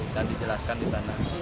dan dijelaskan di sana